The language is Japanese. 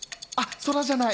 空じゃない。